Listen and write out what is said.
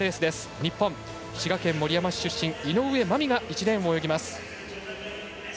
日本、滋賀県守山市出身の井上舞美が１レーンを泳ぎます。